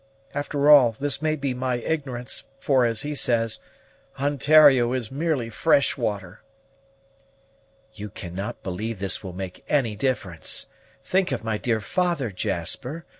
After all, this may be my ignorance; for, as he says, Ontario is merely fresh water." "You cannot believe this will make any difference. Think of my dear father, Jasper!